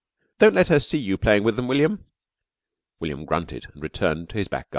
Don't let her see you playing with them, William." William grunted and returned to his back garden.